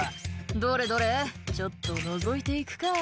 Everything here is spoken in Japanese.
「どれどれちょっとのぞいていくか」